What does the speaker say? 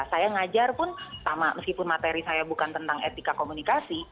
saya ngajar pun sama meskipun materi saya bukan tentang etika komunikasi